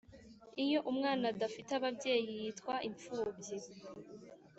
Iyo umwana adafite ababyeyi yitwa ipfubyi